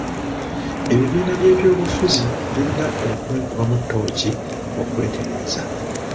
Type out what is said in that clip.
Ebibiina by'ebyobufuzi birina okwekubamu ttooki okwetereeza.